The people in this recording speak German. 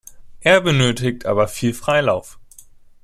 Er benötigt aber viel Freilauf.